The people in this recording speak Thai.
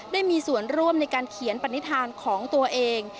ได้มีส่วนร่วมในการเขียนปณิธานของตัวเอง